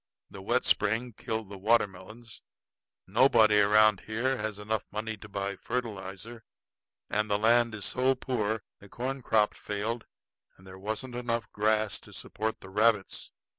The wet spring killed the watermelons. Nobody around here has money enough to buy fertilizer; and land is so poor the corn crop failed and there wasn't enough grass to support the rabbits.